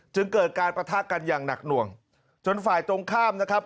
จึงเกิดการปะทะกันอย่างหนักหน่วงจนฝ่ายตรงข้ามนะครับ